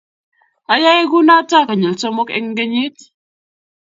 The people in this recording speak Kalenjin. Ayae kunotok konyil mar somok eng kenyit